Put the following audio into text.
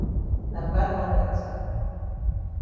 Na bad wan dat.